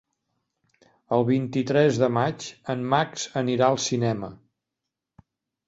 El vint-i-tres de maig en Max anirà al cinema.